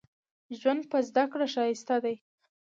ژوند په زده کړه ښايسته دې